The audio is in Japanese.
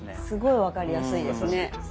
すごい分かりやすいですね。